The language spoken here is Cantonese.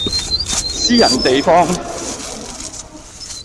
私人地方